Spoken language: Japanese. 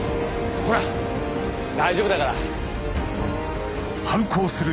ほら大丈夫だから。